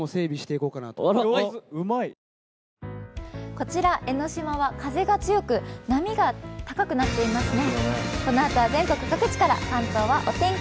こちらの江の島は風が強く波が高くなっていますね。